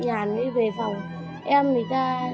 ngoài trong việc chúng tôi có nên